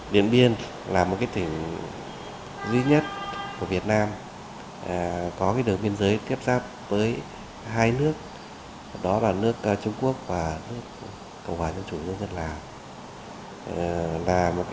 điện biên là một thỉnh duy nhất của việt nam có đường biên giới kết giáp với hai nước đó là nước trung quốc và nước cộng hòa nhân chủ nhân dân lào